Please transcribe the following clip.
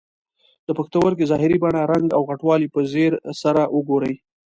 د پښتورګي ظاهري بڼه، رنګ او غټوالی په ځیر سره وګورئ.